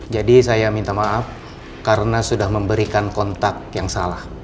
jadi saya minta maaf karena sudah memberikan kontak yang salah